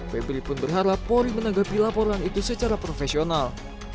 febri pun berharap polri menanggapi laporan itu secara profesional